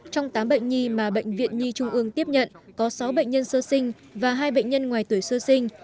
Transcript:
trong tám bệnh nhi mà bệnh viện nhi trung ương tiếp nhận có sáu bệnh nhân sơ sinh và hai bệnh nhân ngoài tuổi sơ sinh